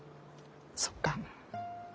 そっか。